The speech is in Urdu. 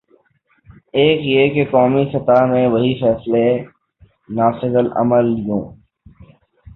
ایک یہ کہ قومی سطح میں وہی فیصلے نافذالعمل ہوں۔